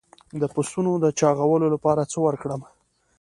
د پسونو د چاغولو لپاره څه ورکړم؟